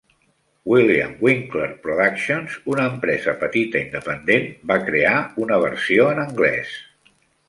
William Winckler Productions, una empresa petita independent, va crear una versió en anglès.